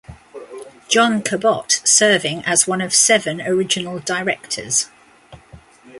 John Cabot serving as one of seven original directors.